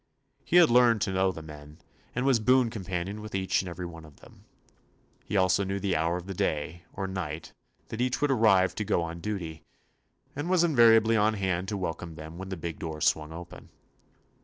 He had learned to know the men, and was boon companion with each and every one of them. He also knew the hour of the day. or night, that each would 54 TOMMY POSTOFFICE arrive to go on duty, and was invaria bly on hand to welcome them when the big door swung open.